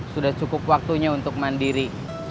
sudah cukup waktunya untuk mandiri